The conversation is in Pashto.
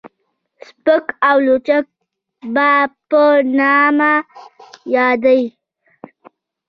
سپک او لچک به په نامه يادېده.